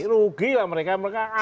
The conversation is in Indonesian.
rugi lah mereka mereka angkut sendiri